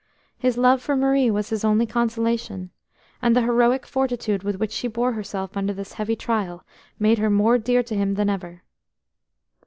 His love for Marie was his only consolation, and the heroic fortitude with which she bore herself under this heavy trial made her more dear to him than ever.